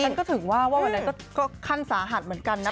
ฉันก็ถือว่าว่าวันนั้นก็ขั้นสาหัสเหมือนกันนะ